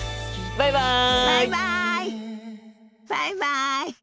バイバイ！